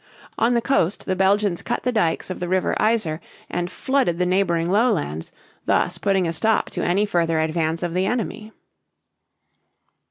On the coast the Belgians cut the dikes of the river Yser (ī´ser) and flooded the neighboring lowlands, thus putting a stop to any further advance of the enemy.